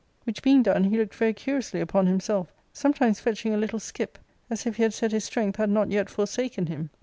"' Which being done, he looked very curiously upon liimself, sometimes fetching a little skip, as if he had said his strength had not yet forsaken him.